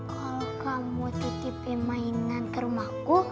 kalau kamu titipin mainan ke rumahku